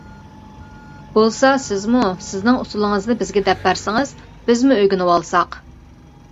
بولسا سىزمۇ سىزنىڭ ئۇسۇلىڭىزنى بىزگە دەپ بەرسىڭىز بىزمۇ ئۆگىنىۋالساق.